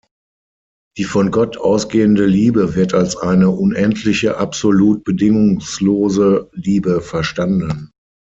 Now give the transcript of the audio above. Die von Gott ausgehende Liebe wird als eine unendliche, absolut bedingungslose Liebe verstanden.